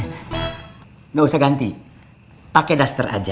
nggak usah ganti pake duster aja